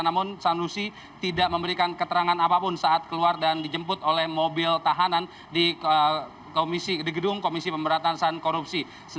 namun sanusi tidak memberikan keterangan apapun saat keluar dan dijemput oleh mobil tahanan di gedung komisi pemberantasan korupsi